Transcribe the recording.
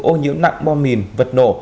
ô nhiễm nặng bom mìn vật nổ